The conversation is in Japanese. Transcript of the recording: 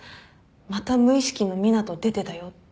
また無意識の湊斗出てたよって。